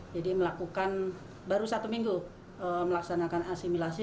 jadi melakukan baru satu minggu melaksanakan asimilasi